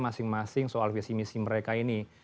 masing masing soal visi misi mereka ini